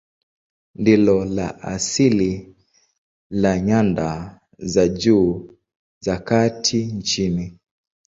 Ndilo la asili la nyanda za juu za kati nchini.